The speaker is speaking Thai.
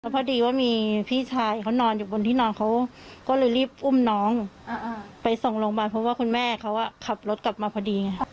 พอดีว่ามีพี่ชายเขานอนอยู่บนที่นอนเขาก็เลยรีบอุ้มน้องไปส่งโรงพยาบาลเพราะว่าคุณแม่เขาขับรถกลับมาพอดีไง